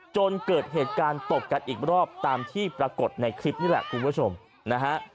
จนเกิดเหตุการณ์ตบกันอีกรอบตามที่ปรากฏในคลิปนี่แหละคุณผู้ชมนะฮะ